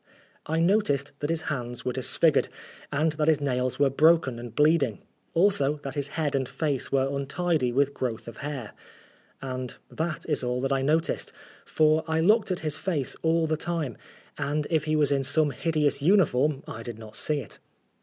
I noticed that his hands were disfigured, and that his nails were broken and bleeding ; also that his head and face were untidy with growth of hair. And that is all that I noticed, for I looked at his face all the time, and if he was in some hideous uniform I did not see it.